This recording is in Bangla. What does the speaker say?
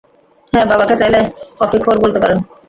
হ্যাঁ, বাবাকে চাইলে কফিখোর বলতে পারেন!